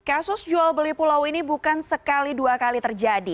kasus jual beli pulau ini bukan sekali dua kali terjadi